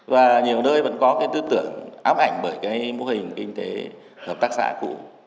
và nhiều nơi vẫn có tư tưởng áp ảnh bởi mô hình kinh tế hợp tác xã cũ